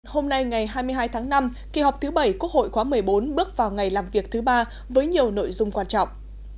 hôm nay ngày hai mươi hai tháng năm kỳ họp thứ bảy quốc hội khóa một mươi bốn bước vào ngày làm việc thứ ba với nhiều nội dung quan trọng